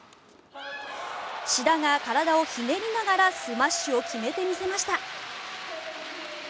志田が体をひねりながらスマッシュを決めてみせました。